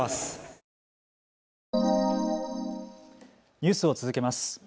ニュースを続けます。